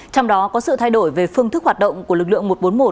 trong đó có sự thay đổi về phương thức hoạt động của lực lượng một trăm bốn mươi một